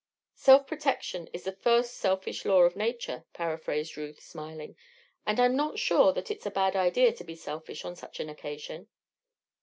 "Self protection is the first selfish law of nature," paraphrased Ruth, smiling; "and I'm not sure that it's a bad idea to be selfish on such an occasion."